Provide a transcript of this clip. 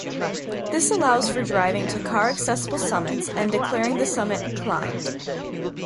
This allows for driving to car-accessible summits and declaring the summit "climbed".